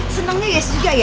senengnya yes juga ya